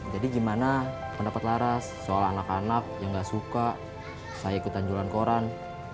jadi gimana pendapat laras soal anak anak yang enggak suka saya ikutan jualan koran